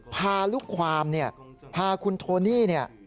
พาลูกความพาคุณโทนี่